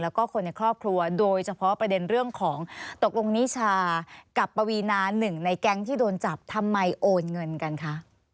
แล้วก็คนในครอบครัวโดยเฉพาะประเด็นเรื่องของตกลงนิชากับปวีนาหนึ่งในแก๊งที่โดนจับทำไมโอนเงินกันคะ